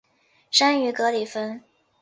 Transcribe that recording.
生于格里芬。